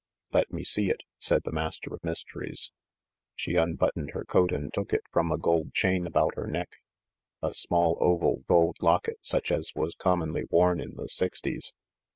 "Let me see it," said the Master of Mysteries. She unbuttoned her coat and took it from a gold chain about her neck, — a small oval gold locket such as was commonly worn in the sixties.